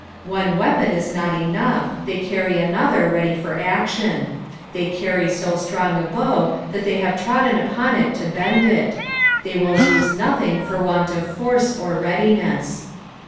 '" One weapon is not enough, they cany another ready for action. They cany so strong a bow that they liave trodden upon it to bend it — they will lose notliiug for want of force or readiness.